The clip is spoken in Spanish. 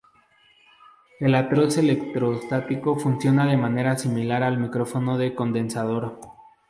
El altavoz electrostático funciona de manera similar al micrófono de condensador.